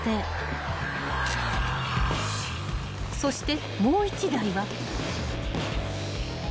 ［そして］